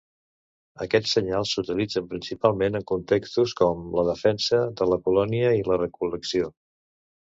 Aquests senyals s'utilitzen principalment en contextos com la defensa de la colònia i la recol·lecció.